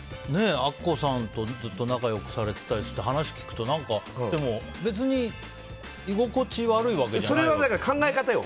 アッコさんとずっと仲良くされてて話を聞くとでも別に居心地悪いわけじゃない？考え方よ。